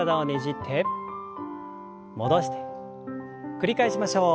繰り返しましょう。